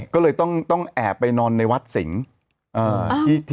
ก็เลยต้องแอบไปนอนในวัดสิงศ์